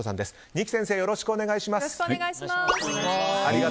二木先生、よろしくお願いします。